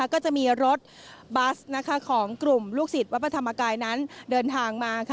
ก็จะมีรถบัสของกลุ่มลูกศิษย์วัดพระธรรมกายนั้นเดินทางมา